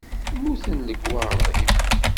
Mmuten lekwaɣeḍ-im?